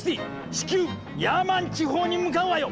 至急ヤーマン地方に向かうわよ！